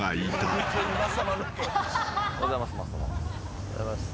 おはようございます。